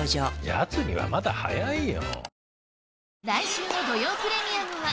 やつにはまだ早いよ。